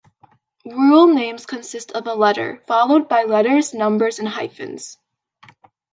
Rule names consist of a letter followed by letters, numbers, and hyphens.